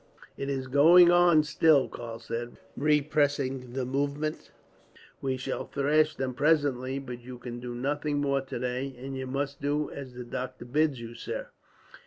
"It is going on still," Karl said, repressing the movement. "We shall thrash them, presently; but you can do nothing more today, and you must do as the doctor bids you, sir."